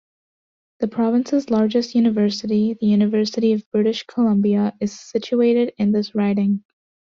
The province's largest university, the University of British Columbia is situated in this riding.